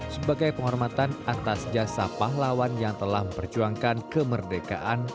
sebagai penghormatan atas jasa pahlawan yang telah memperjuangkan kemerdekaan